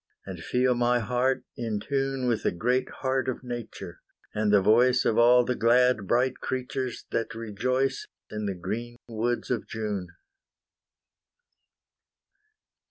And feel my heart in tune With the great heart of Nature, and the voice Of all the glad bright creatures that rejoice In the green woods of June.